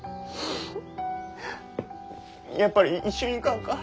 やっぱり一緒に行かんか？